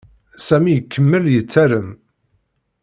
Sami ikemmel yettarem.